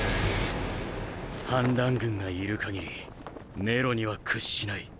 反乱軍がいる限りネロには屈しない。